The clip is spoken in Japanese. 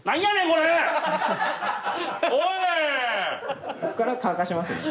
ここから乾かしますね。